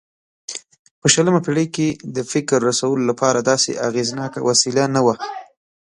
په شلمه پېړۍ کې د فکر رسولو لپاره داسې اغېزناکه وسیله نه وه.